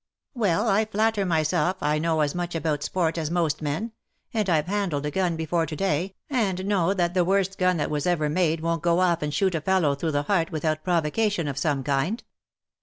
" Well^ I flatter myself I know as much about sport as most men ; and Fve handled a gun before to day, and know that the worst gun that was ever made won't go off and shoot a fellow through the heart without provocation of some kind."